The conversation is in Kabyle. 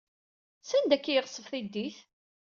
Sanda akka ay yeɣṣeb tiddit?